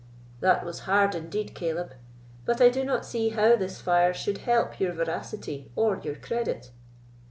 "That was hard indeed, Caleb; but I do not see how this fire should help your veracity or your credit."